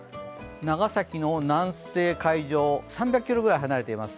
長崎の南西海上、３００ｋｍくらい離れています。